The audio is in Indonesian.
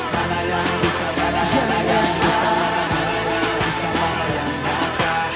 mana yang disalah yang nyata